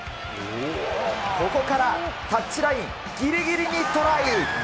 ここからタッチラインぎりぎりにトライ。